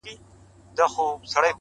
تك سپين زړگي ته دي پوښ تور جوړ كړی ـ